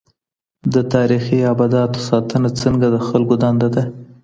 د تاریخي ابداتو ساتنه څنګه د خلګو دنده ده؟